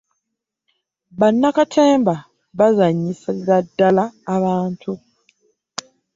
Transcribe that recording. bannakatemba basanyisiza ddala abantu